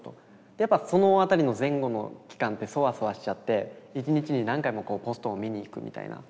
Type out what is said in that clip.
やっぱそのあたりの前後の期間ってそわそわしちゃって一日に何回もポストを見に行くみたいな。